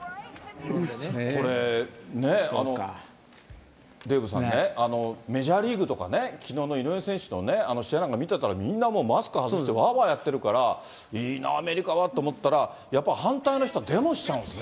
これ、デーブさんね、メジャーリーグとかね、きのうの井上選手の試合なんか見てたら、みんなもうマスク外して、わーわーやってるから、いいな、アメリカはと思ったら、やっぱり反対の人はデモしちゃうんですね。